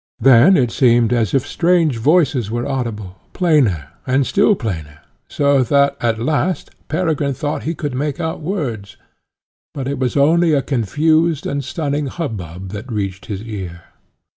Then it seemed as if strange voices were audible, plainer and still plainer, so that, at last, Peregrine thought he could make out words. But it was only a confused and stunning hubbub that reached his ear.